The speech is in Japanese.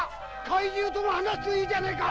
怪獣とも話すというじゃねえか！